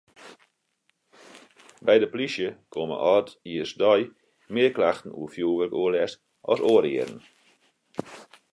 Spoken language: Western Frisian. By de polysje komme âldjiersdei mear klachten oer fjoerwurkoerlêst as oare jierren.